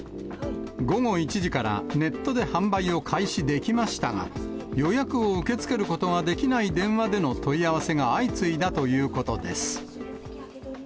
午後１時からネットで販売を開始できましたが、予約を受け付けることができない電話での問い合わせが相次いだということです。